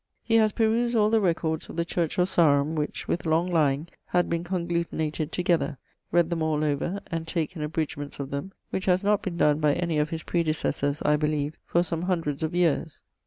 He haz perused all the records of the Church of Sarum, which, with long lyeing, had been conglutinated together; read them all over, and taken abridgements of them, which haz not been donne by any of his predecessors I beleeve for some hundreds of yeares.